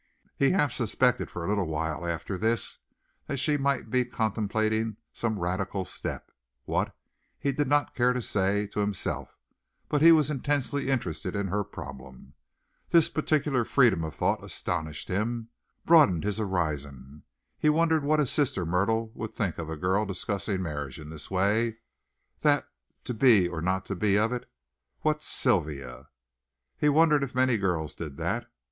He half suspected for a little while after this that she might be contemplating some radical step what, he did not care to say to himself, but he was intensely interested in her problem. This peculiar freedom of thought astonished him broadened his horizon. He wondered what his sister Myrtle would think of a girl discussing marriage in this way the to be or not to be of it what Sylvia? He wondered if many girls did that.